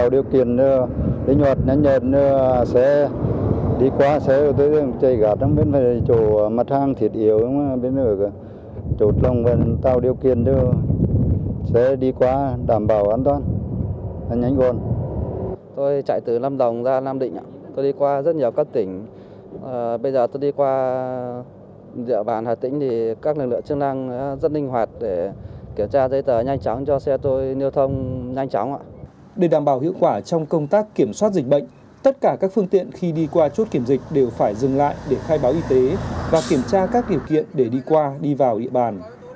để đảm bảo hiệu quả trong công tác kiểm soát dịch bệnh tất cả các phương tiện khi đi qua chốt kiểm dịch đều phải dừng lại để khai báo y tế và kiểm tra các điều kiện để đi qua đi vào địa bàn